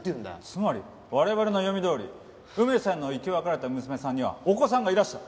つまり我々の読みどおり梅さんの生き別れた娘さんにはお子さんがいらした。